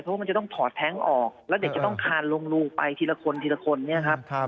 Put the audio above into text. เพราะมันจะต้องถอดแท้งออกแล้วเด็กจะต้องคานลูไปทีละคนนะครับ